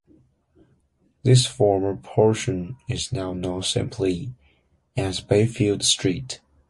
This former portion is now known simply as Bayfield Street.